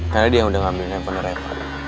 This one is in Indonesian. karena dia udah ngambilin handphone repot